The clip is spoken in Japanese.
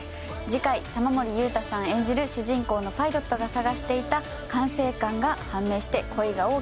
次回玉森裕太さん演じる主人公のパイロットが探していた管制官が判明して恋が大きく動きだします。